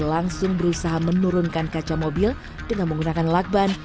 langsung berusaha menurunkan kaca mobil dengan menggunakan lakban